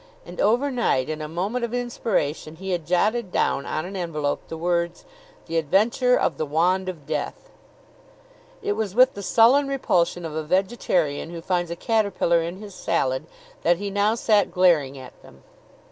And overnight, in a moment of inspiration, he had jotted down on an envelope the words: "The Adventure of the Wand of Death." It was with the sullen repulsion of a vegetarian who finds a caterpillar in his salad that he now sat glaring at them.